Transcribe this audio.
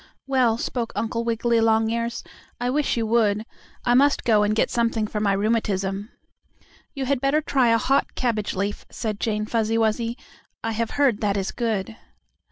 "Well," spoke Uncle Wiggily Longears, "I wish you would. I must go and get something for my rheumatism." "You had better try a hot cabbage leaf," said Jane Fuzzy Wuzzy. "I have heard that is good."